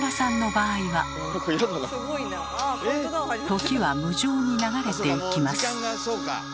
時は無情に流れていきます。